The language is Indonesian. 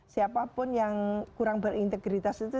siapapun yang kurang berintegritas itu